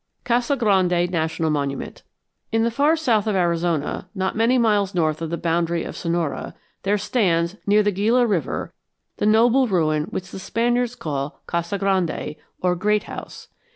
CASA GRANDE NATIONAL MONUMENT In the far south of Arizona not many miles north of the boundary of Sonora, there stands, near the Gila River, the noble ruin which the Spaniards call Casa Grande, or Great House.